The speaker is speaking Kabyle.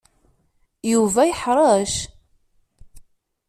Yuba yeḥṛec.